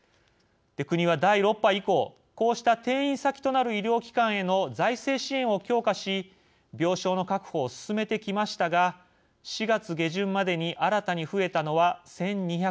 国は第６波以降こうした転院先となる医療機関への財政支援を強化し病床の確保を進めてきましたが４月下旬までに新たに増えたのは１２００床。